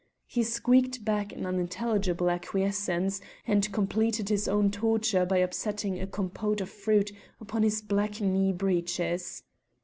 He squeaked back an unintelligible acquiescence; and completed his own torture by upsetting a compote of fruit upon his black knee breeches.